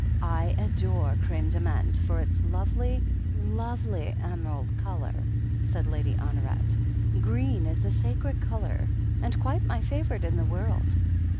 "I adore crime de menthe, for its lovely, lovely eme'ald colour," said Lady Honoret. "Green is a sacred colour — and quite my favourite in the world."